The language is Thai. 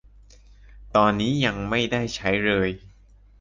ตอนนี้ยังไม่ได้ใช้เลย !